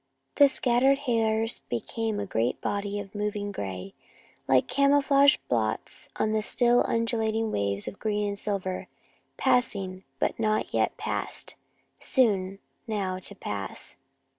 The scattered hares became a great body of moving gray, like camouflage blots on the still undulating waves of green and silver, passing but not yet past soon now to pass.